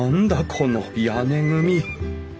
この屋根組！